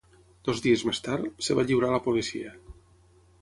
Dos dies més tard, es va lliurar a la policia.